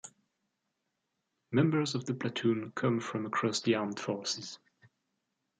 Members of the platoon come from across the armed forces.